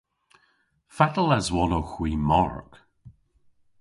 Fatel aswonowgh hwi Mark?